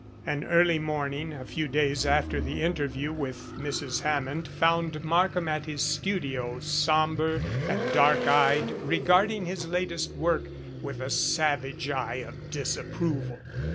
An early morning, a few days after the interview with Mrs. Hammond, found Markham at his studio, somber and dark eyed, regarding his latest work with a savage eye of disapproval.